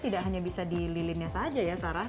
tidak hanya bisa di lilinnya saja ya sarah